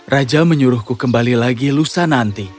raja menyuruhku kembali lagi lusa nanti